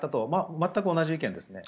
全く同じ意見ですね。